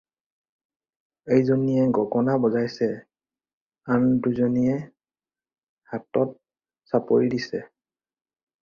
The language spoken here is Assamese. এজনীয়ে গগনা বজাইছে, আন দুজনীয়ে হাতত চাপৰি দিছে।